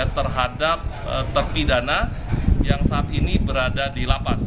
terhadap terpidana yang saat ini berada di lapas